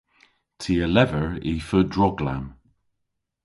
Ty a lever y feu droglamm.